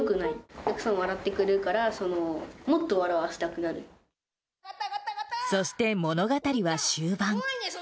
お客さん笑ってくれるから、そして物語は終盤。